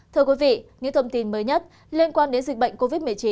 thưa quý vị những thông tin mới nhất liên quan đến dịch bệnh covid một mươi chín